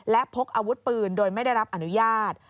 และพกอาวุธปืนโดยไม่ได้รับอนุญาต